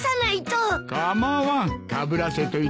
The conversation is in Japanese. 構わんかぶらせといてやれ。